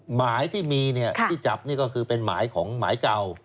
หมายที่มีที่จับนี่ก็คือเป็นหมายของหมายเก่า